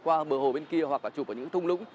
qua bờ hồ bên kia hoặc là chụp vào những thung lũng